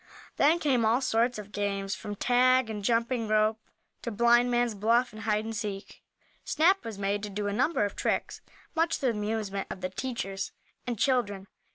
Then came all sorts of games, from tag and jumping rope, to blindman's bluff and hide and seek. Snap was made to do a number of tricks, much to the amusement of the teachers and children.